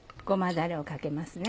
だれをかけますね。